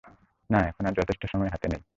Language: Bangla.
না, এখন আর যথেষ্ট সময় হাতে নেই।